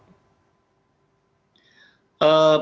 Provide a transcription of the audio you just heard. bagaimana pantauan dispar pak